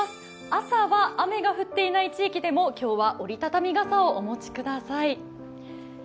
朝は雨が降っていない地域でも今日は折り畳み傘をお持ちください。